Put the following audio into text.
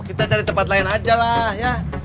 kita cari tempat lain aja lah ya